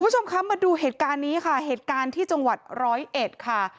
คุณผู้ชมคะมาดูเหตุการณ์นี้ค่ะเหตุการณ์ที่จังหวัดร้อยเอ็ดค่ะ